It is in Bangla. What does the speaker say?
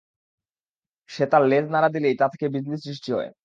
সে তার লেজ নাড়া দিলেই তা থেকে বিজলী সৃষ্টি হয়।